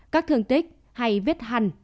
các thương tích hay vết hằn